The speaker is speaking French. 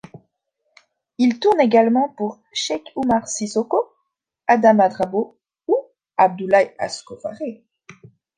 Il tourne également pour Cheick Oumar Sissoko, Adama Drabo ou Abdoulaye Ascofaré.